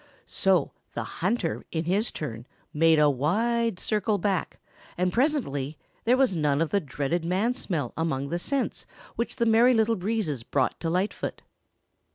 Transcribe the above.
So the hunter in his turn made a wide circle back, and presently there was none of the dreaded man smell among the scents which the Merry Little Breezes brought to Lightfoot.